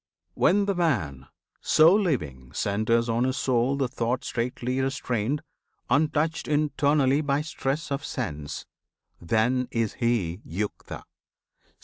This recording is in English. When the man, So living, centres on his soul the thought Straitly restrained untouched internally By stress of sense then is he Yukta.